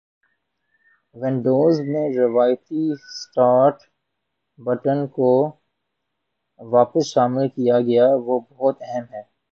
Windows میں روایتی start button کو واپس شامل کیا گیا ہے وہ بہت أہم ہیں